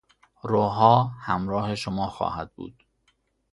روحا همراه شما خواهم بود.